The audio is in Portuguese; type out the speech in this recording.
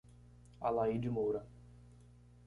Alaide Moura